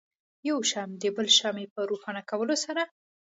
یو شمع د بلې شمعې په روښانه کولو سره.